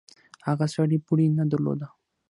هغه سړي بوړۍ نه درلوده.